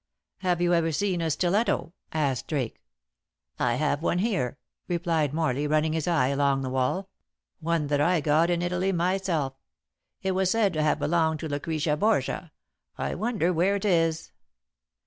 "Have you ever seen a stiletto?" asked Drake. "I have one here," replied Morley, running his eye along the wall; "one that I got in Italy myself. It was said to have belonged to Lucrezia Borgia. I wonder where it is."